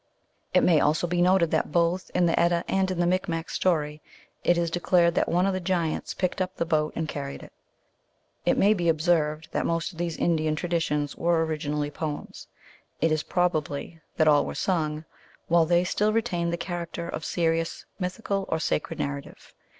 It may also be noted that both in the Edda and in the Micmac story, it is declared that one of the giants picked up the boat and carried it. It may be observed that most of these Indian tra ditions were originally poems. It is probable that all were sung, while they still retained the character of serious mythical or sacred narrative.